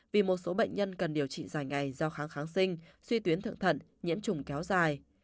vì một số bệnh nhân cần điều trị dài ngày do kháng kháng sinh suy tuyến thượng thận nhiễm trùng kéo dài